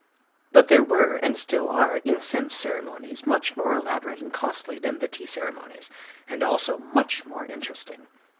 But there were, and still are, incense ceremonies much more elaborate and costly than the tea ceremonies,—and also much more interesting.